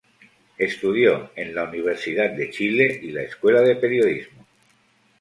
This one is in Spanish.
Estudió en la Universidad de Chile y la Escuela de Periodismo.